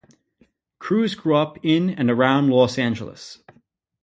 Cruz grew up in and around Los Angeles.